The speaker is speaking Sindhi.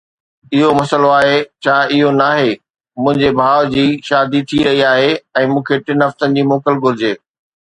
اهو مسئلو آهي، ڇا اهو ناهي؟ منهنجي ڀاء جي شادي ٿي رهي آهي ۽ مون کي ٽن هفتن جي موڪل گهرجي.